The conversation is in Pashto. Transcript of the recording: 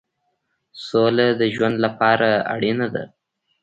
سوله د ژوند لپاره اړینه ده.